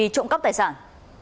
trộm cắp tài sản